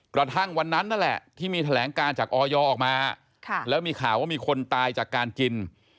กระทั่งวันนั้นนั่นแหละที่มีแถลงการจากออยออกมาแล้วมีข่าวว่ามีคนตายจากการกิน